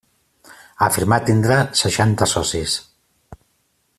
Afirmà tindre seixanta socis.